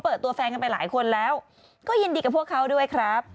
เปิดตัวแฟนกันไปหลายคนแล้วก็ยินดีกับพวกเขาด้วยครับ